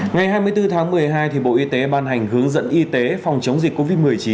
ngày hai mươi bốn tháng một mươi hai bộ y tế ban hành hướng dẫn y tế phòng chống dịch covid một mươi chín